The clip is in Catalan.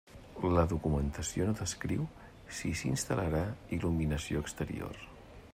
La documentació no descriu si s'instal·larà il·luminació exterior.